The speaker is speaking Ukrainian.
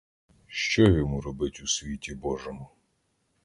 Що йому робить у світі божому?